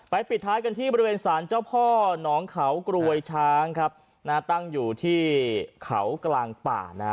ปิดท้ายกันที่บริเวณสารเจ้าพ่อหนองเขากรวยช้างครับนะฮะตั้งอยู่ที่เขากลางป่านะฮะ